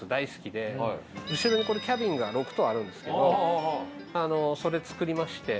後ろにこれキャビンが６棟あるんですけどそれ作りまして。